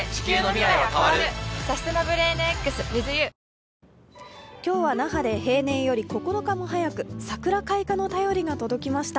東芝今日は那覇で平年より９日も早く桜開花の便りが届きました。